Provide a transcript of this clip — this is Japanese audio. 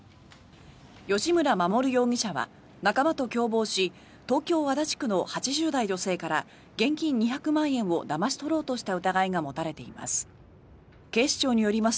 吉村守容疑者は仲間と共謀し東京・足立区の８０代女性から現金２００万円をだまし取ろうとした疑いが持たれています。